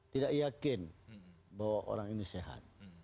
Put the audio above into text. tidak yakin bahwa orang ini sehat